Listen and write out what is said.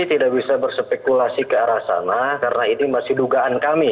saya tidak bisa berspekulasi ke arah sana karena ini masih dugaan kami